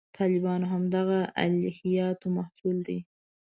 طالبان د همدغه الهیاتو محصول دي.